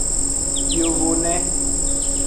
Yovone.